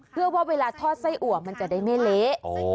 เพื่อว่าเวลาทอดไส้อัวมันจะได้ไม่เละ